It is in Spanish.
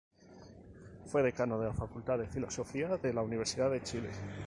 Fue decano de la Facultad de Filosofía de la Universidad de Chile.